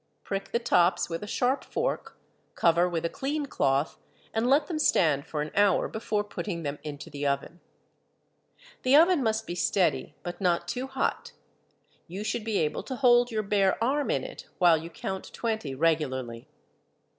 Prick the tops with a sharp fork, cover with a clean cloth, and let them stand for an hour before putting them into the oven. The oven must be steady, but not too hot. You should be able to hold your bare arm in it while you count twenty regularly.